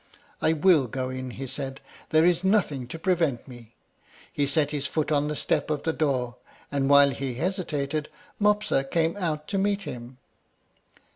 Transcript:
"I will go in," he said; "there is nothing to prevent me." He set his foot on the step of the door, and while he hesitated Mopsa came out to meet him.